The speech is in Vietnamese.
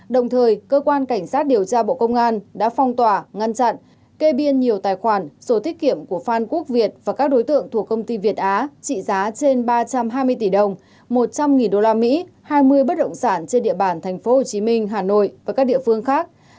đồng thời cơ quan cảnh sát điều tra bộ công an đã phong tỏa ngăn chặn kê biên nhiều tài khoản sổ tiết kiệm của phan quốc việt và các đối tượng thuộc công ty việt á trị giá trên ba trăm hai mươi tỷ đồng một trăm linh usd hai mươi bất động sản trên địa bàn tp hcm hà nội và các địa phương khác